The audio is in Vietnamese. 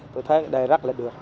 tôi thấy đây rất là được